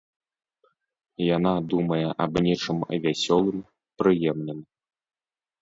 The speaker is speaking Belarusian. Яна думае аб нечым вясёлым, прыемным.